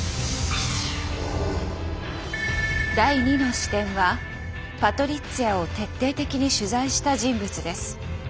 第２の視点はパトリッツィアを徹底的に取材した人物です。